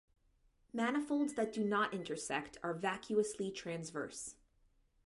Manifolds that do not intersect are vacuously transverse.